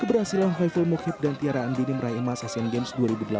keberhasilan khaiful mukhib dan tiara andini meraih emas asian games dua ribu delapan belas